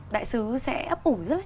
đại sứ sẽ ấp ủ rất là